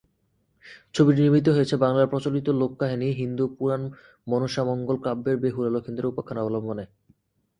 ছবিটি নির্মিত হয়েছে বাংলার প্রচলিত লোককাহিনী, হিন্দু পুরাণ মনসামঙ্গল কাব্যের বেহুলা-লখিন্দরের উপাখ্যান অবলম্বনে।